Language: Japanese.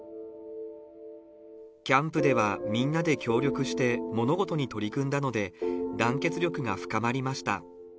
キャンプではみんなで協力して物事に取り組んだので、団結力が深まりました。